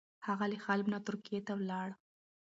هغه له حلب نه ترکیې ته ولاړ.